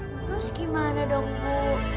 terus gimana dong bu